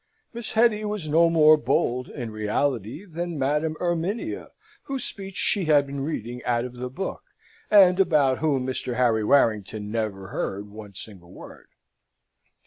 Miss Hetty was no more bold, in reality, than Madam Erminia, whose speech she had been reading out of the book, and about whom Mr. Harry Warrington never heard one single word.